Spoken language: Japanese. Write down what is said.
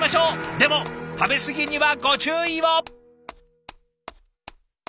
でも食べ過ぎにはご注意を！